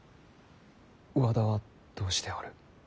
和田はどうしておる。